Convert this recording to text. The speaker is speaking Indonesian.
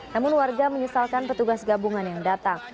namun warga menyesalkan petugas gabungan yang datang